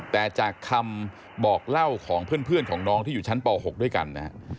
แต่จากคำบอกเล่าของเพื่อนของน้องที่อยู่ชั้นป๖ด้วยกันนะฮะ